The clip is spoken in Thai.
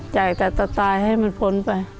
จ่ายแต่จะตายให้มันพ้นไป